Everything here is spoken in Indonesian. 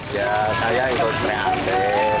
ya saya itu prihatin